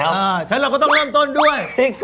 เราก็ต้องเริ่มต้นด้วย